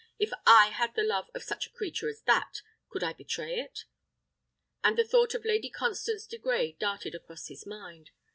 If I had the love of such a creature as that, could I betray it?" and the thought of Lady Constance de Grey darted across his mind.